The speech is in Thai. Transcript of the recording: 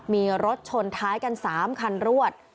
มีรถชนท้ายกัน๓คันรวด